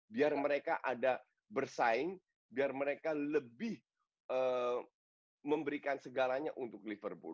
biar mereka ada bersaing biar mereka lebih memberikan segalanya untuk liverpool